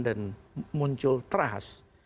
dan muncul teras